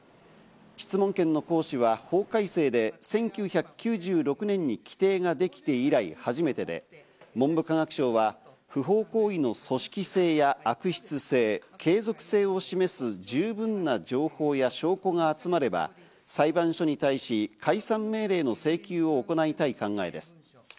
質問権の行使は法改正で１９９６年に規定ができて以来、初めてで、文部科学省は不法行為の組織性や悪質性、継続性を示す十分な情報や証拠が集まれば裁判所に対し解散命令の請求を行いたい考えです。